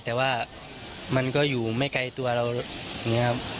แต่ว่าเราก็อยู่ไม่ไกลตัวเรา